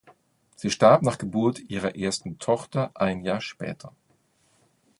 Sie starb nach Geburt ihrer ersten Tochter ein Jahr später.